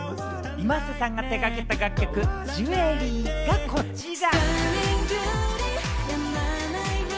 ｉｍａｓｅさんが手がけた楽曲『ジュエリー』がこちら。